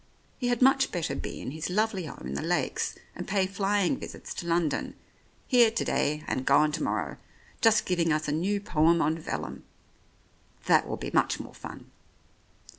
He had much better be in his lovely home in the Lakes, and pay flying visits to London — here to day and gone to morrow — just giving us a new poem on vellum. That will be much more fun.